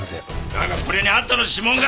だがこれにあんたの指紋が！